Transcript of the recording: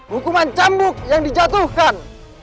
hukuman cambuk yang dijatuhkan